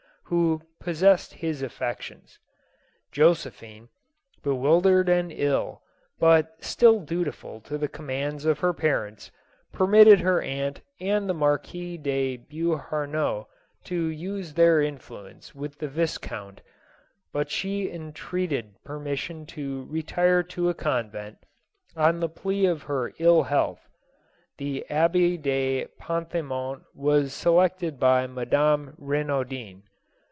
..., who possessed his affections. Josephine, bewildered and ill, but still dutiful to the commands of her parents, permitted her aunt and the Marquis de Beauharnois to use their influence with the viscount ; but she entreated permission to retire to a convent, on the plea of her ill health. The Abbey de Panthemont was selected by Madame Eenaudin.